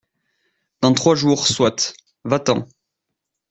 Dans trois jours soit, va-t'en.